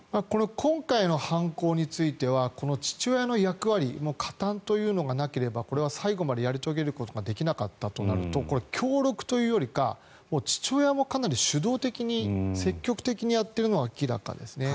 今回の犯行については父親の役割加担というのがなければこれは最後までやり遂げることができなかったとなるとこれ、協力というよりか父親もかなり主導的に積極的にやっているのは明らかですね。